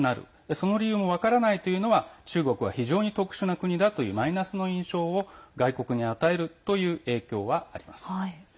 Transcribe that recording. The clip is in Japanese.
その理由も分からないというのは中国は非常に特殊な国だというマイナスの印象を外国に与えるという影響はあります。